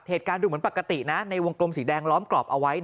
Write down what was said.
ดูเหมือนปกตินะในวงกลมสีแดงล้อมกรอบเอาไว้